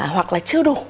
hoặc là chưa đủ